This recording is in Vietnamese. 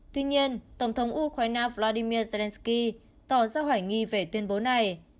tuy nhiên tổng thống ukraine vladimir zelensky tỏ ra hoài nghi về tuyên bố này